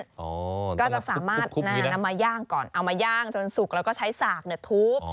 อ๋อถูปขี้นะก็จะสามารถนำมาย่างก่อนเอามาย่างจนสุกแล้วก็ใช้สากหนูทุกข์